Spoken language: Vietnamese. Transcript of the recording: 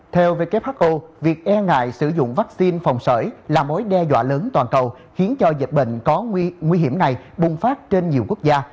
theo who việc e ngại sử dụng vaccine phòng sởi là mối đe dọa lớn toàn cầu khiến cho dịch bệnh có nguy hiểm này bùng phát trên nhiều quốc gia